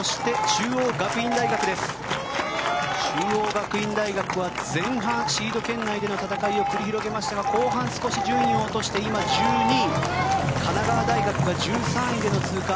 中央学院大学は前半シード圏内での戦いを繰り広げましたが後半、少し順位を落として今、１２位神奈川大学が１３位での通過。